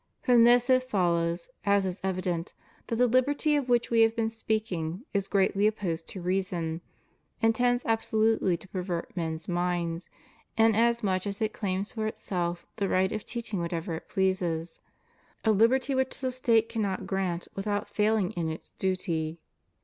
From this it follows, as is evident, that the liberty of which We have been speaking, is greatly opposed to reason, and tends absolutely to pervert men's minds, in as much as it claims for itself the right of teach ing whatever it pleases — a liberty which the State cannot grant without failing in its duty.